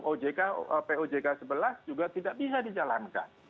ojk pojk sebelas juga tidak bisa dijalankan